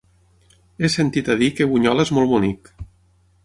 He sentit a dir que Bunyola és molt bonic.